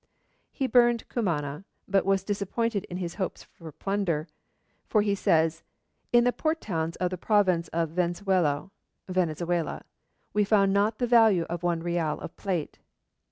He burned Cumana, but was disappointed in his hopes of plunder, for he says, 'In the port towns of the province of Vensuello [Venezuela] we found not the value of one real of plate.'